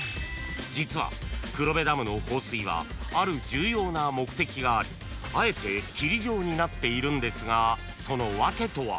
［実は黒部ダムの放水はある重要な目的がありあえて霧状になっているんですがその訳とは？］